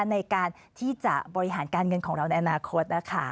ในการที่จะบริหารการเงินของเราในอนาคตนะคะ